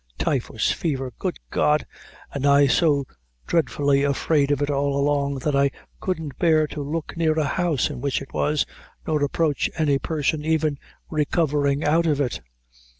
Typhus fever! Good God! and I so dreadfully afraid of it all along, that I couldn't bear to look near a house in which it was, nor approach any person even recovering out of it.